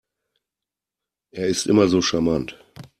Er ist immer so charmant.